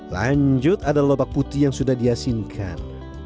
lanjut ada lobak putih yang sudah diasinkan